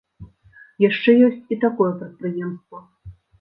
Яшчэ ёсць і такое прадпрыемства.